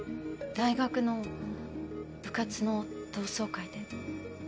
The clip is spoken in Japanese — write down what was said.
大学の部活の同窓会で。